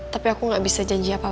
tapi aku gak bisa janji apa apa